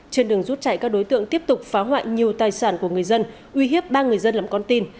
trên đường rút chạy các đối tượng tiếp tục phá hoại nhiều tài sản của người dân uy hiếp ba người dân làm con tin